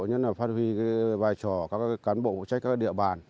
nhất là phát huy vai trò các quán bộ phụ trách các địa bàn